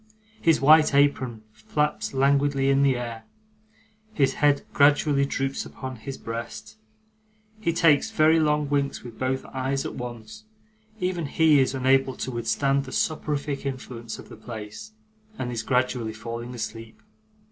His white apron flaps languidly in the air, his head gradually droops upon his breast, he takes very long winks with both eyes at once; even he is unable to withstand the soporific influence of the place, and is gradually falling asleep.